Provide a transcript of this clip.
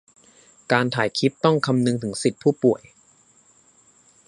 การถ่ายคลิปต้องคำนึงถึงสิทธิผู้ป่วย